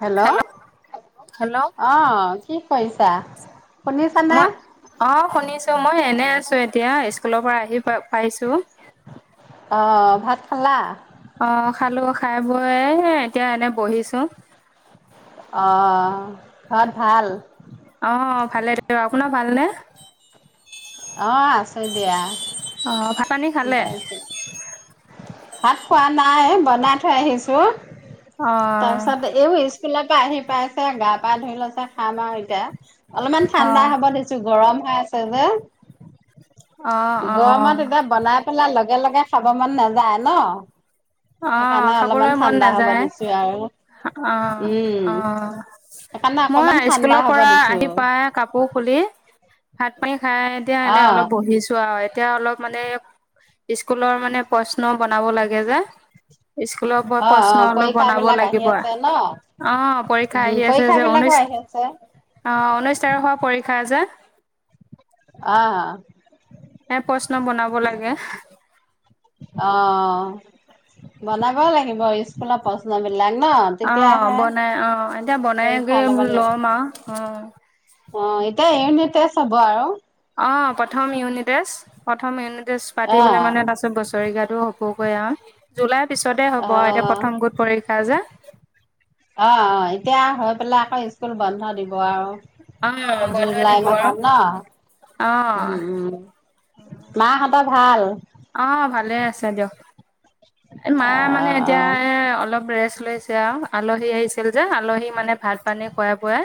Hello hello অহ। কি কৈছা? মই অ শুনিছো মই এনে আছো। ছো এতিয়া স্কুলৰ পৰা আহি প পাইছো, অ ভাত খালা? অঁ খালো খাই বয় এতিয়া এনে বহিছো। অ ঘৰত ভাল। অ ভালে আপোন ভালনে। অ আছে দিয়া। অ ভাল। তাৰি ভাত খোৱা নাই বনাই থৈ আহিছো তাৰ অঁ পিছত এছ। স্কুলৰ পৰা আহি পাইছে গা পা ধৰি লৈছে খাম আৰু এতিয়া। অলপমান ঠাণ্ডা অঁ হ'ব দিছো গৰম। খাই আছে যে। অঁ অঁ গৰমত এতিয়া বনাই পেলাই লগ। লগে লগে খাব মন নাযায় ন? অ সেইকাৰণে অলপমান খাবলৈ মন ঠাণ্ডা হ'ব নাযায় দিছোঁ আৰু অ উম অ সেইকাৰণে অকমান মই ঠাণ্ডা স্কুলৰ হ'ব পৰা আহি দিছোঁ। পাই কাপোৰ খুলি ভাত পানী খাই এতিয়া এনেই অলপ অ', বহিছো আৰু। এতিয়া অলপ মানে স্কুলৰ মানে প্ৰশ্ন বনাব লাগে যে। স্কুলৰ পৰা অ', প্ৰশ্ন অ', অলপ পৰীক্ষা বনাব বিলাক আহি লাগিব আছে ন? অ পৰীক্ষা উম, আহি আছে পৰীক্ষা যে বিলাকো ঊনৈশ আহি আছে আহ ঊনৈশ তাৰিখৰ পৰীক্ষা যে। অঁ। এ! প্ৰশ্ন বনাব লাগে। আহ বনাব লাগিব স্কুলৰ প্ৰশ্ন বিলাক ন? আহ তেতিয়াহে বনাই আহ এতিয়া পৰীক্ষা বনাইগে ল'ব লাগিব লম আহ অ অ এতিয়া এউনিতে হ'ব আৰু অঁ প্ৰথম ইউনিটেজ প্ৰথম ইউনি ছ পাতিবলে অ', মানে তাৰছত বছৰেকিয়াতো হবকে আৰু জুলাইৰ পিছতে হ'ব আৰু এতিয়া অ', প্ৰথম গোট পৰীক্ষা যে অ অ এতিয়া হৈ পেলাই আকৌ স্কুল বন্ধ দিব হব অ', আৰু বন্ধ জুলাই দিব আৰু মাহত ন অ', উম উম মাহাহঁতৰ ভাল অ ভালে আছে দিয়ক এই মা মানে অ', এতিয়া অ', অলপ ৰেষ্ট লৈছে আৰু আলহী আহিছিল যে আলহী মানে ভাত পানী খুৱাই লোৱাই ৱাই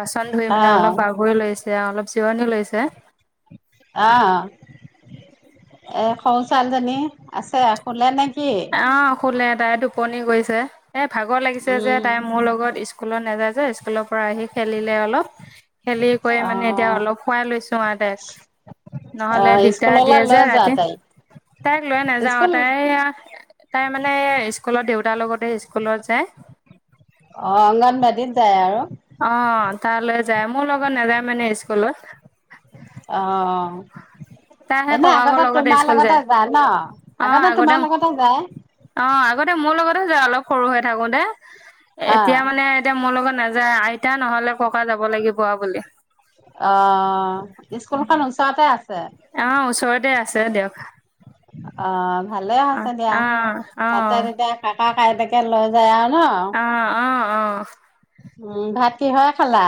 বাচন ধুৰি মানে অলপ অ', পাগৰি লৈছে এতিয়া অলপ চিৰণি লৈছে অ এ সৌ ছোৱালী জনী আছে শুলে নেকি অ শুলে টাই টোপনি গৈছে এ ভাগৰ লাগিছে যে অ', তাই মোৰ লগত স্কুল নাযায় যে স্কুলত পৰা আহি খেলিলে অলপ খেলি কৰি মানে এতিয়া অ', অলপ খোৱাই লৈছো আৰু তাইক নহলে দিগদাৰ স্কুললৈ দিয়ে যে লৈ যোৱা ৰাতি তাইক তাইক লৈ নাযাওঁ স্কুল তাই তাই মানে স্কুলত দেউতাৰ লগতে স্কুলত যায় অ অংগনবাদীত যায় আৰু অ তালৈ যায় মোৰ লগত নাযায় মানে স্কুলত অ তাইহে এনেই ককাকৰ আগতে তোমাৰ স্কুল লগতে যায় ন আগতে তোমাৰ লগতে যায় যে, অলপ সৰু হৈ থাকোতে। এতিয়া অ', মানে, এতিয়া মোৰ লগত, - নাযায়, আইতা নহলে ককা যাব লাগিব বুলি। অ ', স্কুলখন ওচৰতে আছে। অ ', ওচৰত। তে -আছে দিয়ক। অ', ভালে অ আছে দিয়া অ অ যেতিয়া-তেতিয়া কাট, [unintelligible] অ', - অ- অ উম ', ভাত কিহেৰে খালা?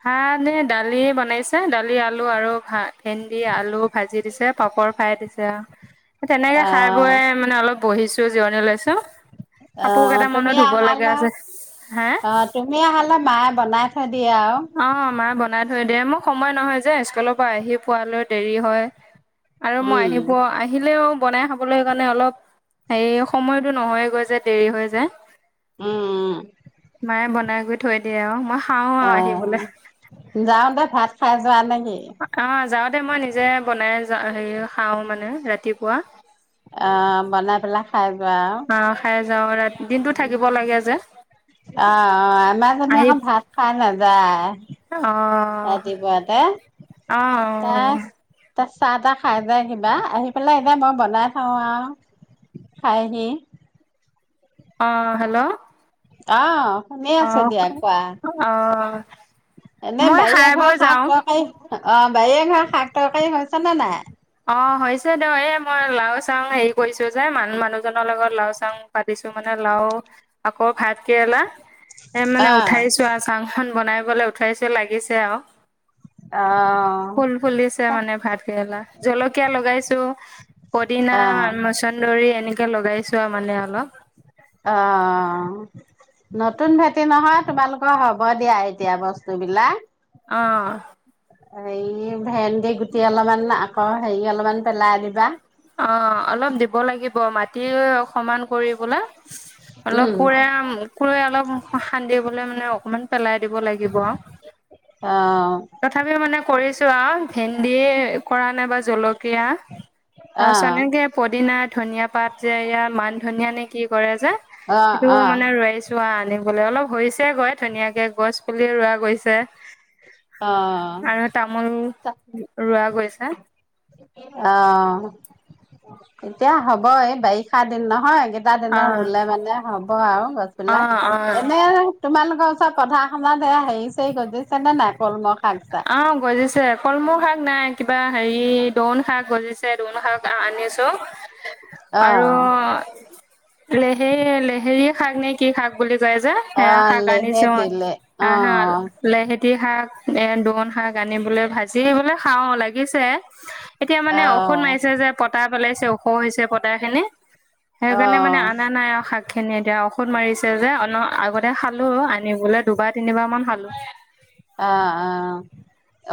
ভাত নে দালি বন বনাইছে দালি আলু আৰু ভাত ভেন্দী আলু ভাজি দিছে পাপৰ ফ্ৰাই দিছে আৰু। তেনেকে খাই অ', বই মানে অলপ বহিছো জিৰণিও লৈছো। কাপোৰ অহ, কেইটামানো তুমি ধুব আহাল লগা আছে হে অহ তুমি আহালে মা বনাই থৈ দিয়ে আৰু অহ, মায়ে বনাই থৈ দিয়ে মোক সময় নহয় যে স্কুলৰ পৰা আহি পোৱালৈ দেৰি হয়। আৰু মই উম, আহিব আহিলেও বনাই খাবলৈ কাৰণে অলপ হেৰি সময়তো নহয় গৈ যে দেৰি হৈ যায়। উম, উম, [inaudible] মায়ে বন বনাই গৈ থৈ দিয়ে আৰু মহ অহ, অহ, যাওতে ভাত খাই যোৱা নেকি? অহ, যাওঁতে মই নিজে বনাই হেৰি খাও মানে ৰাতিপুৱা। অহ, বনাই পেলা আহ খাই যাওঁ ৰাতি দিনটো থাকিব লাগে যে। অহ - অহ আমাৰ জনে আকৌ ভাত খাই নাযায়। ৰাতিপুৱাতে। অহ-অহ-অহ তাত চাহ তাহ খাই যায় কিবা আহি পেলাই এতিয়া মই বনাই থও আৰু খাইহি। অহ, হেল্ল', অহ, শুনি আছে অ', দিয়া কোৱা অ', এনে মই বাৰী খাই বৈ এঘৰ যাওঁ। শাক তৰকাৰী অহ, বাৰীয়ে ঘৰ শাক তৰকাৰী হৈছে নে নাই? অহ, হৈছে দেও এই মই লাও চাং হেৰি কৰিছোঁ যে মান মানুহজনৰ লগত লাও চাং পাতিছো মানে লাও আকৌ ভাত কেৰেলা। এ মানে অ' উঠাইছো আৰু চাং খন বনাই। [unintelligible] উঠাইছে লাগিছে আৰু। অ' ফুল ফুলিছে মানে ভাতকেৰেলাৰ। জলকিয়া লগাইছো পদিনা মচন দৰি এনেকে লগাইছো। আৰু মানে অলপ অহ, নতুন ভেটি নহয় তোমালোকৰ হ'ব দিয়া এতিয়া বস্তু বিলাক। অহ, এই ভেন্দি গুটি অলপমান আকৌ হেৰি অলপমান পেলাই দিবা। অ আলম দিব লাগে। ব মাটি। সমান কৰিলে অলপ উম কোৰে কোৰে অলপ। খান্দিবলৈ মানে অকমান। পেলাই দিব লাগিব অ তথাপি মানে কৰিছো। ভেন্দি কৰা নাই বা জলক। কয়া অ চানেকে প। দিনা ধনিয়া পাত যে ইয়াৰ মান ধনিয় নে কি কৰে। যে অ সেইটো অ মানে ৰৱছোৱা আনি। বলে অলপ হৈছে গৈ ধুনীয়াকে গছ পুলি ৰোৱা গৈছে। অঁ আৰু তামোল ৰোৱা গৈছে অঁ। এতিয়া হ'ব এই বাৰিষা দিন নহয়। কেইটা অ দিনৰ ৰুলে মানে হ'ব আৰু গছ অ বিলাক অ এনে তোমালোক। গ ওচা পঢা শনা দেয়া হেৰি চৰি গজিছে নে নাই? কলমাক। অ গজিছে কলমূ খাই। নাই কিবা হেৰি দন শাক গজিছে। দুোন শাক আনিছো অ আৰু। লেহে লেহেৰিয় শাক নে কি শাক বুলি। ক যে অ সেয়া শাক আনিছো লেহেতিলে অ আহা লেহে। ইতিহাস এ। চকন শাক আনিবলৈ ভাজি বলে খাওঁ লাগিছে। এতিয়া অ অ মানে ঔষধ মাৰিছে যে পতাপ। পলাইছে ওখ হৈছে পদা খিনি। অ সেইকাৰণে মানে অনা নাই অ শাক। খিনি এতিয়া ঔষধ মাৰিছে যে অ আগতে খালো আনিবলে দুবাৰ তিনিবাৰ মান খালো। অঁ অঁ।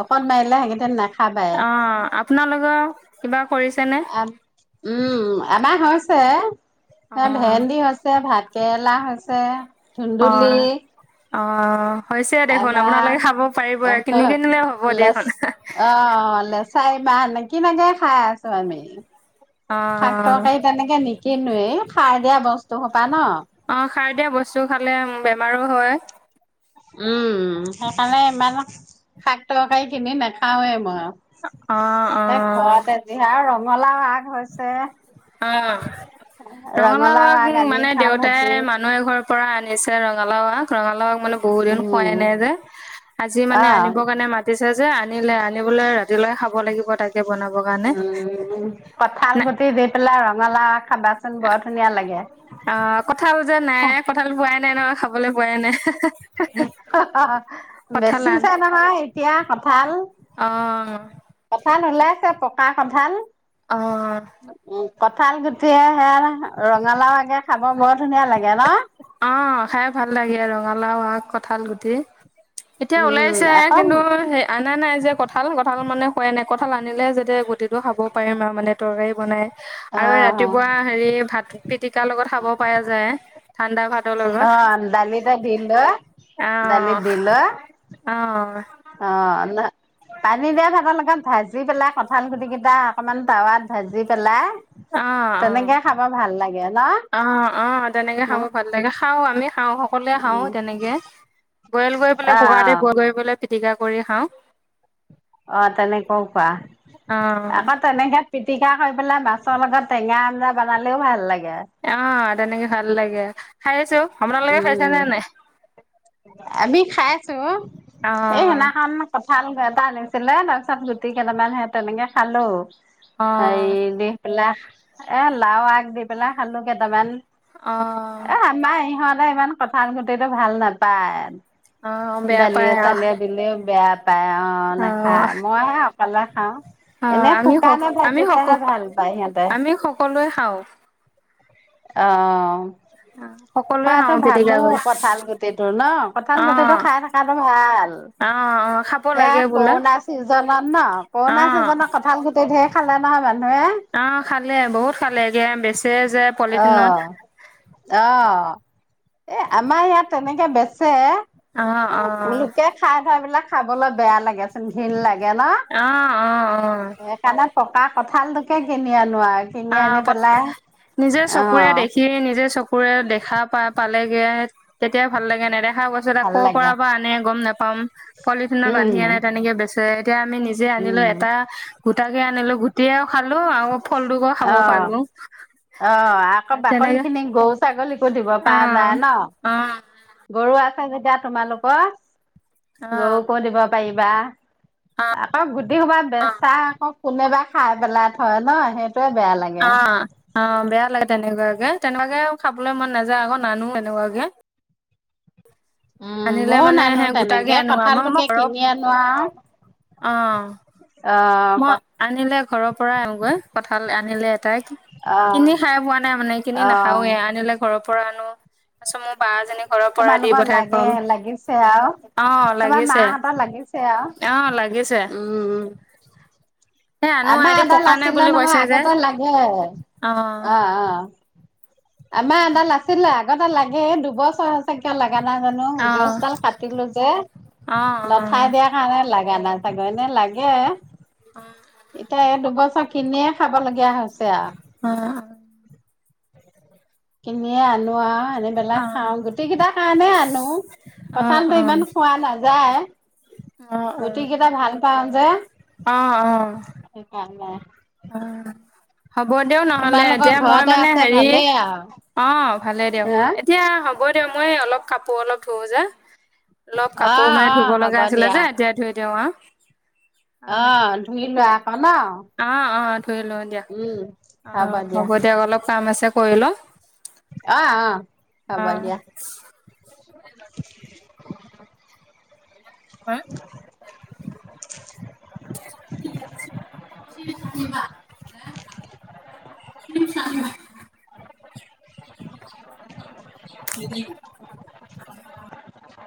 অকণ মাৰিলে হেতেন না। অ আপোনালোকৰ। কিবা কৰিছেনে? উম আমাৰ হৈছে। অ এ ভেন্দি হৈছে ভাত। কেৰেলা আছে অ কুন্দুলি অ হৈছে দেখোন আপোনালোকে খাব পাৰিব কিনি কনিলে হ'ব দেখোন চাই মাহ নে কিনেকে খাই আছো আমি অ শাক তৰকাৰি তেনেকে নেকি কিন্তু এই খাই দিয়া বস্তু সোপা ন অ খাই দিয়া বস্তু খালে বে আৰু হয় উম সেইকাৰণে ইমান শাক তৰকাৰি কিনি নাখাওৱে অ অ মই এ ঘৰতে জিহা ৰম গলা ভাগ হৈছে অ ৰঙালাওাক ৰঙালাও ‌আগ আগ আনি মানে খাওঁ দেউতাই ভাজি মানুহ এ ঘৰৰ পৰা আনিছে ৰঙালা ৰঙালাওাক মানে বহু দিন খোৱাই উম নাই যে আজি মানে অ আনিব কাৰণে মাটি চা যে আনিলে আনিবলৈ ৰাতিলৈকে খাব লাগিব তাক উ কঠাল নাই গুটি দি পেলাই ৰং ৰঙলা খাবাচোন বৰ ধুনীয়া লাগে অ কঁঠাল যে নাই কঁঠাল বোৱাই বোলেই নহয় খাবলৈ পোৱাই নাই কঁঠাল বেছি আন চাই নহয় এতিয়া অ পান [unintelligible] ওলাইছে পকা সধান অ কঠাল গুটিয়ে সে ৰঙালাও আগে খাব বৰ ধুনীয়া লাগে ন অ খাই ভাল লাগে ৰঙালাও আ কঠাল গুটি এতিয়া উম ওলাইছে আকৌ কিন্তু স অনা নাই যে কঁঠাল কঁঠাল মানে হয় নাই কঠাল আনিলে যে যে গুটিটো খাব পাৰিম আৰু মানে তৰকাৰী বনাই অ আৰু ৰাতিপুৱা হেৰি ভাত পিটিকাৰ লগত খাব পৰা যায় ঠাণ্ডা ভাতৰ অ দলিতা দল আহ আহ অ পানী দিয়া ভাতৰ লগত ভাজি পেলাই কঁঠাল গুটি কেইটা অকমান টাৱাত ভাজি পেলাই অ তেনেকে খাব ভাল লাগে ন অ অ অ তেনেকে ন খাব ভাল লাগে খাও আমি খাওঁ সকলোৱে খাওঁ উম তেনেকে বইল কৰি অ', পেলাই কুকাৰতে অ', বইল কৰি পেলাই পিটিকা কৰি খাওঁ। অ তেনেকৈও কোৱা অহ আকৌ তেনেকে পি পিটিকা কৰি পেলাই মাছৰ লগত টেঙা আঞ্জা বনালেও ভাল লাগে অ তেনেকে ভাল লাগে খাই আছো আপোনালোকে খাইছে উম, নে নাই আমি খাইছো এই সেই অহ দিনাখন কঁঠাল এটা আনিছিলে তাৰপিছত গুটি কেইটামান সে তেনেকে খালো অহ আহ দি পেলা এ লাও আগ দি পেলাই খালো কেইটামান অ', এ আমাৰ ইহঁত ইমান কথা গুটটো ভাল নালে প অ', বেয়া পায় ডালিয় আহ চালিয় দিলে বেয়া পায় অ অ', নাখায় মই আহক পালে খাওঁ অ এনে আমি স শুকানে আমি স ভাজিলেহে ভাল পায় সিহঁতে। আমি সকলোৱে খাওঁ অ অ খোৱা ভালো কঠাল গুটিটো ন কঠাল গুটিটো অ', খাই থকাটো ভাল অ', অ', খাব এয়া লাগে বোলে। কৰোণা চিজনত ন কৰোণা অ', চিজনত কঠাল গুটি খালে খালা নহ অ খালে বহুত খালে এ বেছি অ আহ এ আমাৰ ইয়াত তেনেকে বেছি অ', অ', লোকে খাই থয় বিলাক খাবলৈ বেয়া লাগেচোন ঘিন লাগে ন। আহ অ অ সেইকাৰণে পকা কঁঠালটোকে কিনি আনো কিনি আহ আনি পত পেলাই নিজে চকুৰে অ', দেখি নিজে চকু চকুৰে দেখা পা পালেগে তেতিয়াই ভাল লাগে নেদেখা বস্তু এটা ভাল ক'ৰ পৰা লাগে আনে গম নাপাম পলিথিনৰ বান্ধি উম, আনে তেনেকে বেছি এক তেতিয়া আমি নিজে আনিলো উম, এটা গোটাকে আনিলো গুটিও খালো আৰু ফল অ অ আকৌ বাকলি তেনেকে খিনি গৰু ছাগলীক সুধিব অ পা যায় ন অ গৰু আছে যেতিয়া তোমালোকৰ অ গৰু কো দিব পাৰিবা আকৌ গুটেই সোপা বেচা আকৌ কোনেবা খাই পেলাই থয় ন সেই অ অ বেয়া লাগে তোনেকোৱাকে তেনেকুৱাকে খাবলৈ মন নাযায় আকৌ নানো তেনেকুৱাকে উম আনিলে ময়ও মানে নানো সে গোটাকে তেনেকে আনো আমাৰ মই কঁঠালটোকে ঘৰৰ কিনি আনো আৰু অ অ মই আনিলে ঘৰৰ পৰা আহওঁগৈ কঠাল আনিলে এটাই অ কিনি খাই পোৱা নাই মানে কিনি অ নাখাওয়ে আনিলে ঘৰৰ পৰা পৰা আনো তাৰ পিছত মোৰ বা যেনেক তোমালোকৰ লাগে লাগিছে আৰু অ তোমাৰ লাগিছে মাহঁতৰ লাগিছে আৰু অ লাগিছে উম এ [unintelligible] আনো আমাৰ আইদেউ এডাল পকা নাই আছিলে বুলি নহয় কৈছে যে আগতে লাগে অ অ অ আমাৰ এডাল আছিলে আগতে লাগে দুবছৰ হৈছে কিয় লাগে লাগা নাই জানো অ গছডাল কাটিলো যে অ নথাই দিয়াৰ কাৰণে লাগ নাান চাব লাগে এতিয়া এই তো পইচা কিনিয়ে খাব লগীয়া হৈছে আৰু অঁ উম হয় কিনিয়ে আনোৱা আনি পেলাই অ অ খাওঁ গোটেই কেইটাৰ কাৰণে আনো অ কঠালতটো ইমান খোৱা নাযায় অ অ [unintelligible] গোটেই কেইটা ভাঁল পাওঁ যে অঁ উম হ'ব দে নহলে তোমালোকৰ এতিয়া মই ঘৰতে মানে আছে হেৰি ভালেই আৰু অঁ ভালে দিয়ক হা এতিয়া হ'ব হ'ব দিয়ক। মই অলপ কাপোৰ অলপ ধুওঁ যে। অলপ অ কাপোৰ মানে অ ধুব হ'ব লগা আছিলে দিয়া যে। এতিয়াই ধুই দিওঁ আও। [unintelligible] অ' ধুই লোৱা। অ' ন'? ধূই লওঁ দিয়া। উম অ' হ'ব দিয়ক। অলপ কাম আছে কৰি ল। অ' - অ', হব দিয়া। হা? [unintelligible] শৱ [unintelligible] শিবা শৱ শা উম